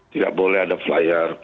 tidak boleh ada flyer